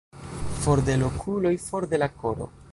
For de l' okuloj, for de la koro.